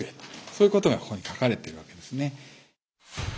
そういうことがここに書かれてるわけですね。